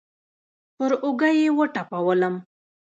پر اوږه يې وټپولم.